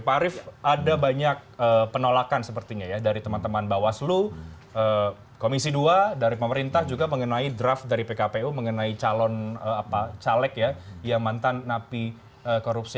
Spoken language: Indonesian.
pak arief ada banyak penolakan sepertinya ya dari teman teman bawaslu komisi dua dari pemerintah juga mengenai draft dari pkpu mengenai calon caleg ya yang mantan napi korupsi